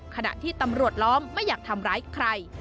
ขณะที่ตำรวจล้อมไม่อยากทำร้ายใคร